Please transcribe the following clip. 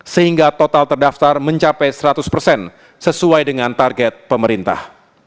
sehingga total terdaftar mencapai seratus persen sesuai dengan target pemerintah